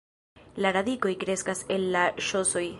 La radikoj kreskas el la ŝosoj.